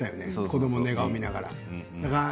子どもの寝顔を見ながら。